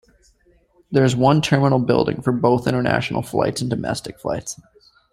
There is one terminal building for both international flights and domestic flights.